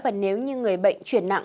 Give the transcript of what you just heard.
và nếu như người bệnh chuyển nặng